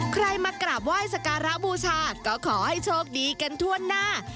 ใครมากราบไหว้สการะบูชาก็ขอให้โชคดีกันทั่วหน้า